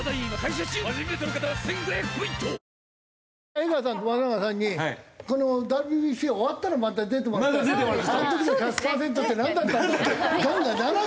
江川さんと松中さんにこのＷＢＣが終わったらまた出てもらってあの時の１００パーセントってなんだったんだってガンガン。